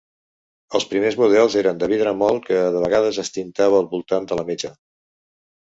Els primers models eren de vidre molt que de vegades es tintava al voltant de la metxa.